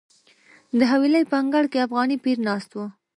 د حویلۍ په انګړ کې افغاني پیر ناست و.